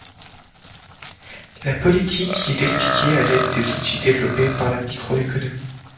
La politique y est expliquée à l'aide des outils développés par la microéconomie.